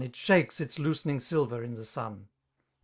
It shakes its loosening silver in the sun.